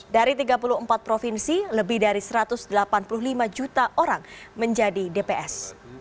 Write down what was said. dari tiga puluh empat provinsi lebih dari satu ratus delapan puluh lima juta orang menjadi dps